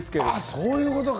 そういうことか。